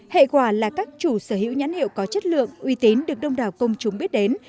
hệ quả là các chủ sở hữu nhãn hiệu có chất lượng uy tín được đông đảo công chúng biết đến